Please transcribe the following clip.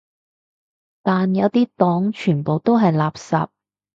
但有啲黨全部都係垃圾